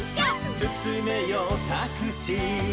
「すすめよタクシー」